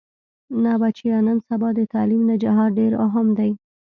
نه بچيه نن سبا د تعليم نه جهاد ډېر اهم دې.